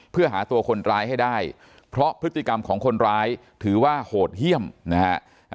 เพื่อหาตัวคนร้ายให้ได้เพราะพฤติกรรมของคนร้ายถือว่าโหดเยี่ยมนะฮะ